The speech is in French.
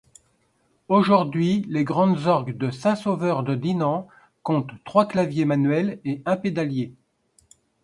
Aujourd'hui, les grandes-orgues de Saint-Sauveur de Dinan comptent trois claviers manuels et un pédalier.